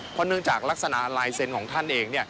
เพราะเนื่องจากลักษณะลายเซ็นต์ของท่านเอง